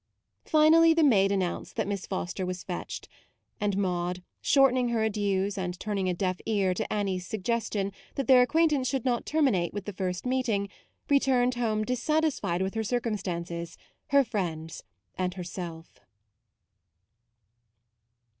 Finally the maid announced that Miss Foster was fetched ; and Maude, shortening her adieus and turning a deaf ear to Annie's suggestion that their acquaintance should not termi nate with the first meeting, returned home dissatisfied with her circum stances, her friends, and herself.